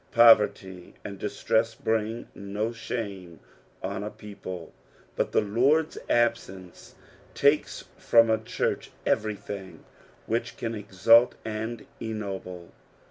Poverty and distress bring no shame on a people, but the Lord's abseace takes from a church everything which can exalt and ennoble.